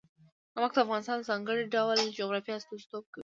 نمک د افغانستان د ځانګړي ډول جغرافیه استازیتوب کوي.